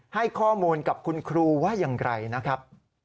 ให้ข้อมูลกับคุณครูว่าอย่างไรนะครับ